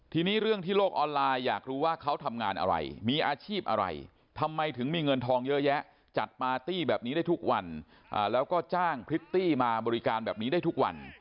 ทีนี้เรื่องที่โลกออนไลน์อยากรู้ว่าเขาทำงานอะไรมีอาชีพอะไรทำไมถึงมีเงินทองเยอะแยะจัดปาร์ตี้แบบนี้ได้ทุกวันแล้วก็จ้างพริตตี้มาบริการแบบนี้ได้ทุกวัน